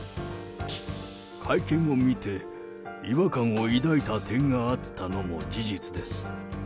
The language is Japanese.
会見を見て、違和感を抱いた点があったのも事実です。